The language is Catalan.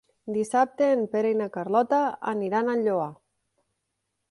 Dissabte en Pere i na Carlota aniran al Lloar.